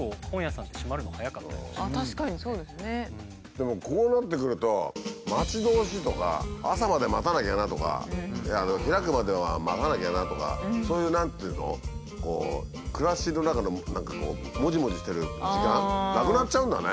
でもこうなってくると待ち遠しいとか朝まで待たなきゃなとか開くまでは待たなきゃなとかそういう何ていうの暮らしの中の何かこうもじもじしてる時間なくなっちゃうんだね。